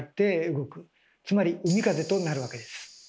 つまり「海風」となるわけです。